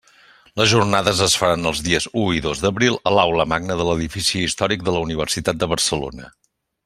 Les Jornades es faran els dies u i dos d'abril a l'Aula Magna de l'Edifici Històric de la Universitat de Barcelona.